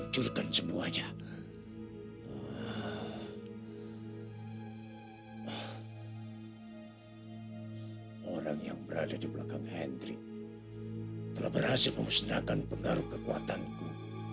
berhasil memusnahkan pengaruh kekuatanku